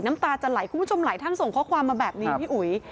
น้ำตาจะไหลคุณผู้ชมหลายท่านส่งข้อความมาแบบนี้พี่อุ๋ย